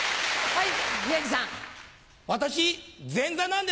はい。